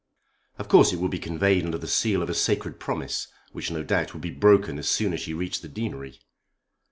Of course it would be conveyed under the seal of a sacred promise, which no doubt would be broken as soon as she reached the Deanery.